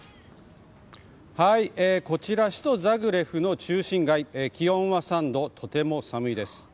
こちら、首都ザグレブの中心街気温は３度、とても寒いです。